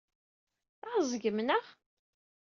Tɛeẓgem neɣ?